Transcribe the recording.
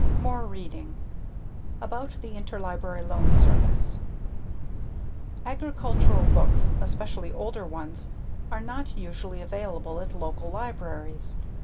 More Reading About the Interlibrary Loan Service Agricultural books, especially older ones, are not usually available at local libraries.